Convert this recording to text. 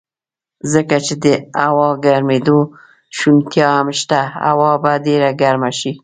ځکه چې د هوا ګرمېدو شونتیا هم شته، هوا به ډېره ګرمه شي.